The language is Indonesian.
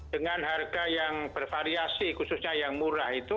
dengan harga yang bervariasi khususnya yang murah itu